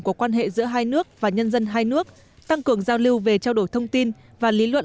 của quan hệ giữa hai nước và nhân dân hai nước tăng cường giao lưu về trao đổi thông tin và lý luận